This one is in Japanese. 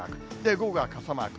午後が傘マーク。